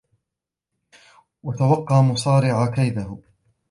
وَتَوَقَّى مَصَارِعَ كَيْدِهِ